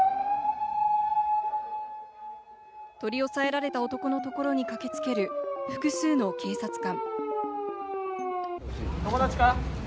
取り押さえられた男のところに駆けつける複数の警察官。